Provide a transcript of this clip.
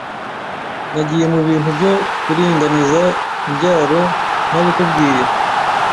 nagiye mu bintu byo kuringaniza imbyaro nta bikubwiye